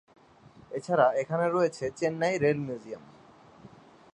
এছাড়া এখানে রয়েছে চেন্নাই রেল মিউজিয়াম।